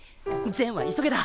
善は急げだ！